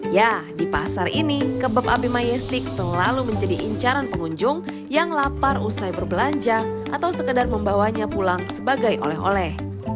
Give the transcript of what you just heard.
ya di pasar ini kebab abima yesi selalu menjadi incaran pengunjung yang lapar usai berbelanja atau sekedar membawanya pulang sebagai oleh oleh